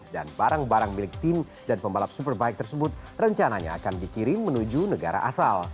dan barang barang milik tim dan pembalap superbike tersebut rencananya akan dikirim menuju negara asal